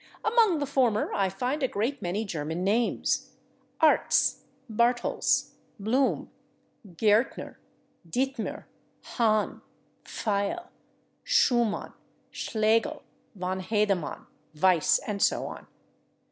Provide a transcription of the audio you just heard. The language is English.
Among the former I find a great many German names: /Artz/, /Bartels/, /Blum/, /Gaertner/, /Dittmer/, /Hahn/, /Pfeil/, /Schuman/, /Schlegel/, /von Hedemann/, /Weiss/ and so on.